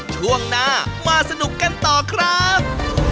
ช่วงหน้ามาสนุกกันต่อครับ